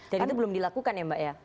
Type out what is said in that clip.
jadi itu belum dilakukan ya mbak ya